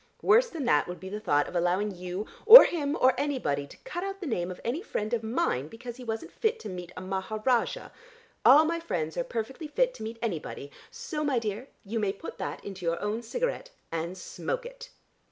Worse than that would be the thought of allowing you or him or anybody to cut out the name of any friend of mine because he wasn't fit to meet a Maharajah. All my friends are perfectly fit to meet anybody. So, my dear, you may put that into your own cigarette and smoke it."